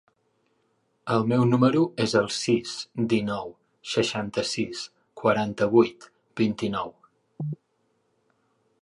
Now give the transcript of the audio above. El meu número es el sis, dinou, seixanta-sis, quaranta-vuit, vint-i-nou.